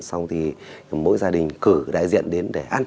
xong thì mỗi gia đình cử đại diện đến để ăn